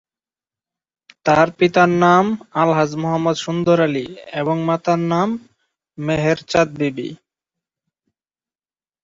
তার পিতার নাম আলহাজ্ব মোহাম্মদ সুন্দর আলী এবং মাতার নাম মেহের চাঁদ বিবি।